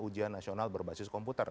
ujian nasional berbasis komputer